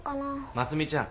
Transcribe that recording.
真澄ちゃん。